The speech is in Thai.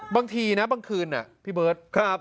บางทีนะบางคืนอ่ะพี่เบิ๊ศน์ครับ